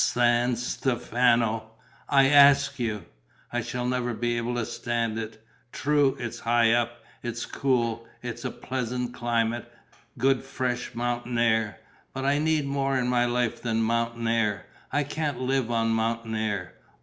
San Stefano! I ask you! I shall never be able to stand it. True, it's high up, it's cool: it's a pleasant climate, good, fresh mountain air. But I need more in my life than mountain air. I can't live on mountain air.